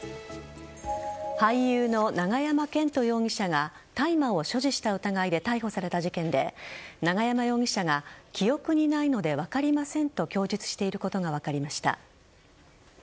俳優の永山絢斗容疑者が大麻を所持した疑いで逮捕された事件で永山容疑者が記憶にないので分かりませんと供述していることが分かりました。